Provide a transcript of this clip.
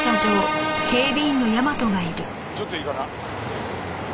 ちょっといいかな？